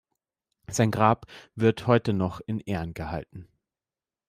Sein Grab wird heute noch in Ehren gehalten.